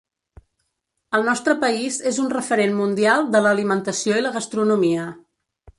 El nostre país és un referent mundial de l’alimentació i la gastronomia.